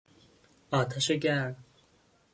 آتش گرم